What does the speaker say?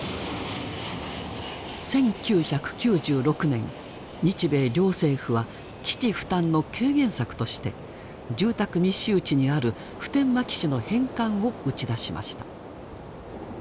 １９９６年日米両政府は基地負担の軽減策として住宅密集地にある普天間基地の返還を打ち出しました。